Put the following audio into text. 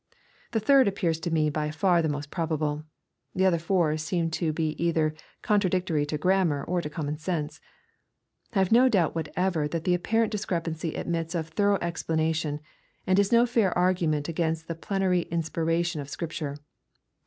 The third appears to me by far the most probable. The other four seem to be either con tradictory to grammar or to common sense. — I have no doubt whatever that the apparent discrepancy admits of thorough expla nation, and is no fair argument against the plenary inspiration of Scripture.